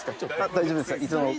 大丈夫です。